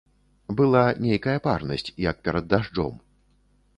Была нейкая парнасць, як перад дажджом.